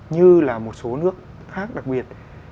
như là một số nước khác đặc biệt